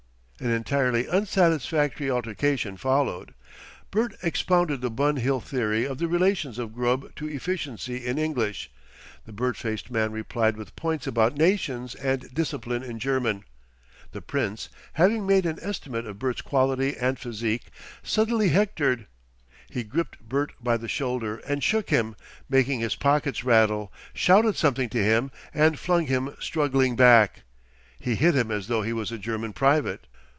An entirely unsatisfactory altercation followed. Bert expounded the Bun Hill theory of the relations of grub to efficiency in English, the bird faced man replied with points about nations and discipline in German. The Prince, having made an estimate of Bert's quality and physique, suddenly hectored. He gripped Bert by the shoulder and shook him, making his pockets rattle, shouted something to him, and flung him struggling back. He hit him as though he was a German private.